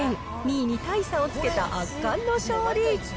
２位に大差をつけた圧巻の勝利。